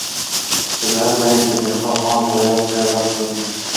ښځه حق لري چې د خپل خاوند په غياب کې عفت وساتي.